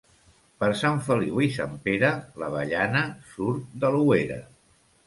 Per Sant Feliu i Sant Pere l'avellana surt de l'ouera.